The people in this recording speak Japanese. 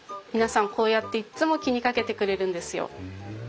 皆さんこうやっていっつも気にかけてくれるんですよ。